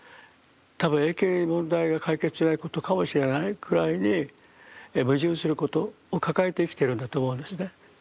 多分永久に問題が解決しないことかもしれないくらいに矛盾することを抱えて生きてるんだと思うんですね。